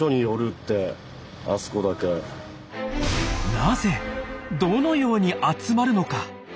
なぜどのように集まるのか？